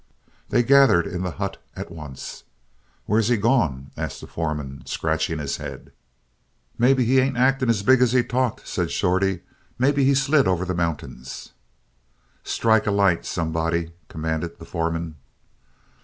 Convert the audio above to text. They gathered in the hut at once. "Where's he gone?" asked the foreman, scratching his head. "Maybe he ain't acting as big as he talked," said Shorty. "Maybe he's slid over the mountains." "Strike a light, somebody," commanded the foreman.